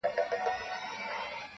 o يار له جهان سره سیالي کومه ښه کومه ,